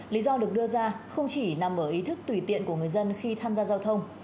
lý do được đưa ra không chỉ nằm ở ý thức tùy tiện của người dân khi tham gia giao thông